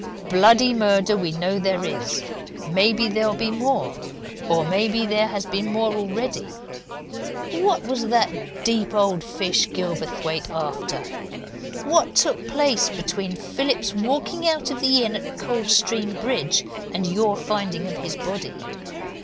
"Bloody murder we know there is maybe there'll be more, or maybe there has been more already. What was that deep old fish Gilverthwaite after? What took place between Phillips's walking out of that inn at Coldstream Bridge and your finding of his body?